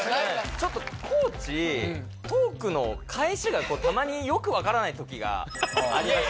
ちょっと地トークの返しがたまによく分からない時がありまして。